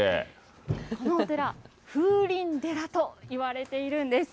このお寺、風鈴寺といわれているんです。